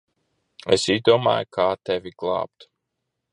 Es izdomāju, kā tevi glābt.